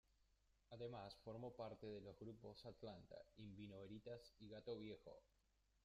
Además formó parte de los grupos Atlanta, In vino veritas y Gato viejo.